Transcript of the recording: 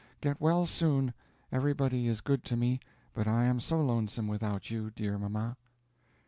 Get well soon. Everybody is good to me, but I am so lonesome without you, dear mamma."